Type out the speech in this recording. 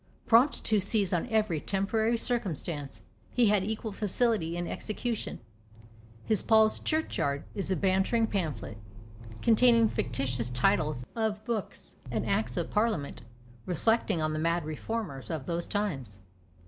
Prompt to seize on every temporary circumstance, he had equal facility in execution. His "Paul's Church yard" is a bantering pamphlet, containing fictitious titles of books and acts of parliament, reflecting on the mad reformers of those times.